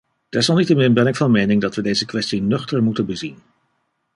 Desalniettemin ben ik van mening dat we deze kwestie nuchter moeten bezien.